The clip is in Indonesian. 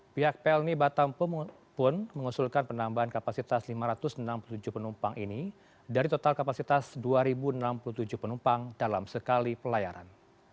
pihak plni batam pun mengusulkan penambahan kapasitas lima ratus enam puluh tujuh penumpang ini dari total kapasitas dua enam puluh tujuh penumpang dalam sekali pelayaran